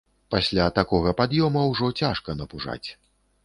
Пасля такога пад'ёма ўжо цяжка напужаць.